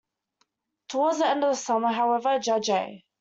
Toward the end of the summer, however, Judge A.